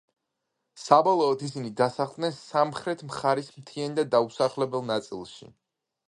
საბოლოოდ ისინი დასახლდნენ სამხრეთ მხარის მთიან და დაუსახლებელ ნაწილში.